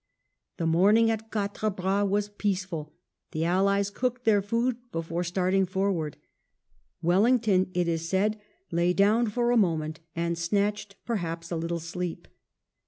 The morning at Quatre Bras was peaceful ; the Allies cooked their food before starting rearward Wellington, it is said, lay down for a moment, and snatched perhaps a little sleep.